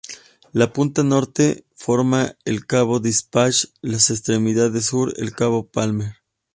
La punta norte la forma el cabo Dispatch, la extremidad sur el cabo Palmer.